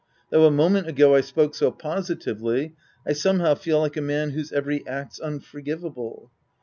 Though a moment ago I spoke so positively, I somehow feel like a man whose every act's unfor givable.